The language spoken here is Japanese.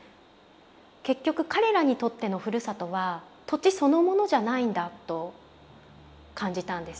結局彼らにとってのふるさとは土地そのものじゃないんだと感じたんです。